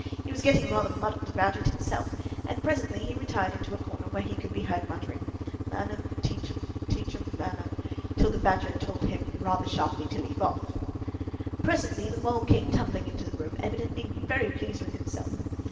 He was getting rather muddled about it himself, and presently he retired into a corner, where he could be heard muttering, "Learn 'em, teach 'em, teach 'em, learn 'em!" till the Badger told him rather sharply to leave off. Presently the Mole came tumbling into the room, evidently very pleased with himself.